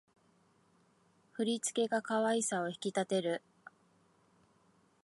振り付けが可愛さを引き立てる